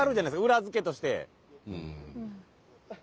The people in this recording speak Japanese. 裏付けとして。